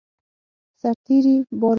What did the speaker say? سرتېري بار وو.